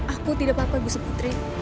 aku tidak apa apa gusti putri